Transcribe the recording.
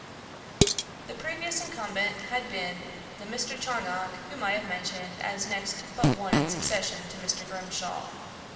The previous incumbent had been the Mr. Charnock whom I have mentioned as next but one in succession to Mr. Grimshaw.